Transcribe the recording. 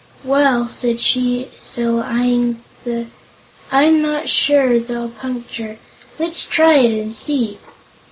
"Well," said she, still eyeing the "I'm not sure they'll puncture. Let's try it, and see."